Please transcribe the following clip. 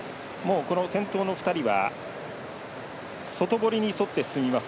先頭の２人は外堀に沿って進みます